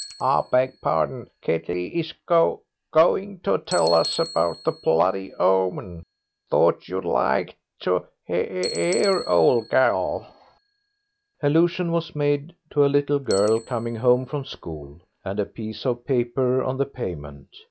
I beg pardon, Ketley is go going to tell us about the bloody omen. Thought you'd like to he ar, old girl." Allusion was made to a little girl coming home from school, and a piece of paper on the pavement.